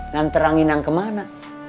nganterangin yang kemana